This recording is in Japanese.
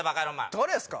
誰ですか？